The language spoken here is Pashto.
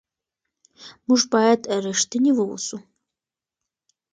موږ باید رښتیني واوسو.